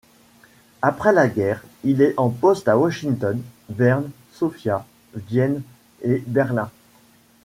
Après la guerre, il est en poste à Washington, Berne, Sofia, Vienne et Berlin.